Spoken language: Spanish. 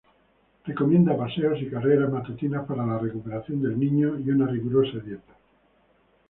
Recomienda paseos y carreras matutinas para la recuperación del niño y una rigurosa dieta.